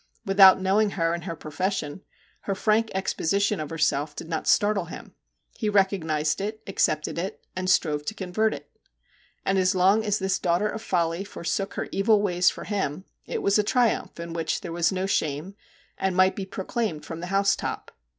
Without knowing her in her profession, her frank exposition of herself did not startle him ; he recognised it, accepted it, and strove to convert it. And as long as this daughter of Folly forsook her evil ways for him it was a triumph in which there was no shame, and might be proclaimed from the housetop.